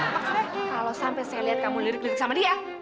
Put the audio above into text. maksudnya kalo sampe saya liat kamu lirik lirik sama dia